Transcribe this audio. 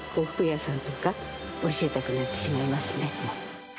例えばとか教えたくなってしまいますね